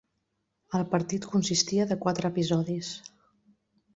El partit consistia de quatre episodis.